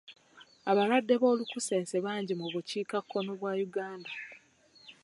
Abalwadde b'olunkusense bangi mu bukiikakkono bwa Uganda.